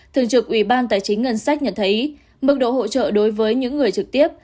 thường trực ủy ban tài chính ngân sách nhận thấy mức độ hỗ trợ đối với những người trực tiếp